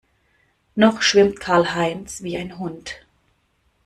Noch schwimmt Karl-Heinz wie ein Hund.